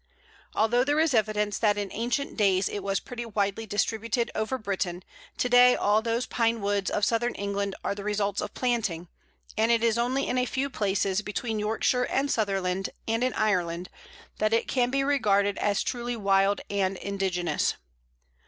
Although there is evidence that in ancient days it was pretty widely distributed over Britain, to day all those Pine woods of Southern England are the results of planting, and it is only in a few places between Yorkshire and Sutherland, and in Ireland, that it can be regarded as truly wild and indigenous.